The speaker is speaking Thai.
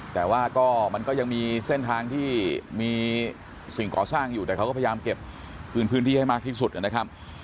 แต่ว่าก็มันก็ยังมีเส้นทางที่มีสิ่งก่อสร้างอยู่แต่เขาก็พยายามเก็บคืนพื้นที่ให้มากที่สุดนะครับ